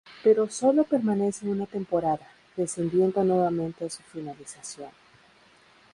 Pero sólo permanece una temporada, descendiendo nuevamente a su finalización.